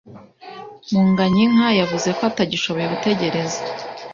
Munganyinka yavuze ko atagishoboye gutegereza.